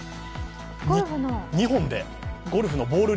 ２本でゴルフのボール